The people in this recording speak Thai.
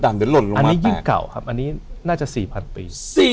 อันนี้ยิ่งเก่าครับอันนี้น่าจะ๔๐๐๐ปี